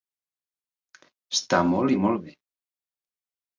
Està molt i molt bé.